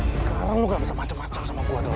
sekarang lu nggak bisa macem macem sama gua dong